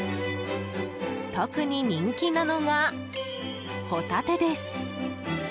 特に人気なのがホタテです。